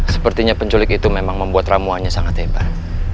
sepertinya penculik itu memang membuat ramuannya sangat hebat